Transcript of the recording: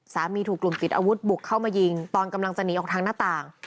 ถูกกลุ่มติดอาวุธบุกเข้ามายิงตอนกำลังจะหนีออกทางหน้าต่าง